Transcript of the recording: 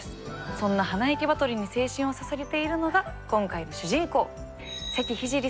そんな花いけバトルに青春をささげているのが今回の主人公。